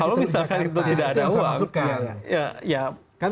kalau misalkan itu tidak ada uang